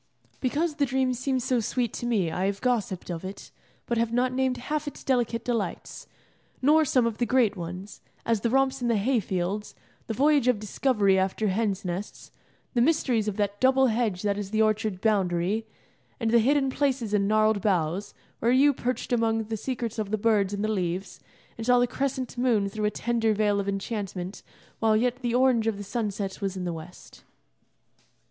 Because the dream seems so sweet to me I have gossiped of it, but have not named half its delicate delights, nor some of the great ones: as the romps in the hay fields, the voyage of discovery after hens' nests, the mysteries of that double hedge that is the orchard boundary, and the hidden places in gnarled boughs, where you perched among the secrets of the birds and the leaves, and saw the crescent moon through a tender veil of enchantment while yet the orange of the sunset was in the west.